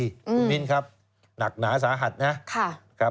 คุณมิ้นครับหนักหนาสาหัสนะครับ